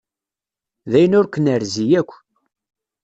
D ayen ur k-nerzi yakk.